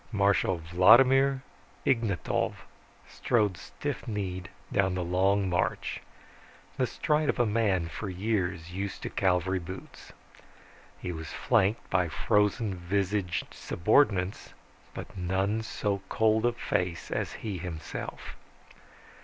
Marshal Vladimir Ignatov strode stiff kneed down the long march, the stride of a man for years used to cavalry boots. He was flanked by frozen visaged subordinates, but none so cold of face as he himself.